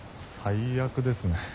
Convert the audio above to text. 最悪ですね。